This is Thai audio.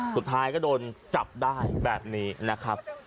สุดท้ายก็โดนจับได้แบบนี้นะครับ